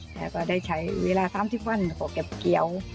แต่ก็ได้ใช้เวลา๓๐วันก็เก็บเกี่ยว